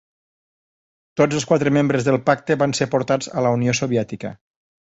Tots els quatre membres del pacte van ser portats a la Unió Soviètica.